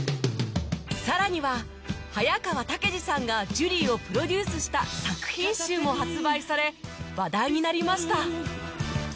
さらには早川タケジさんがジュリーをプロデュースした作品集も発売され話題になりました